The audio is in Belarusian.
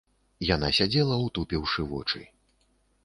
Яна сядзела, утупіўшы вочы.